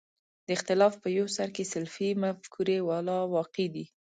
د اختلاف په یو سر کې سلفي مفکورې والا واقع دي.